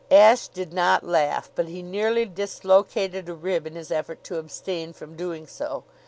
Ashe did not laugh, but he nearly dislocated a rib in his effort to abstain from doing so.